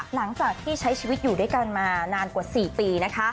หลังจากที่ใช้ชีวิตอยู่ด้วยกันมานานกว่า๔ปีนะคะ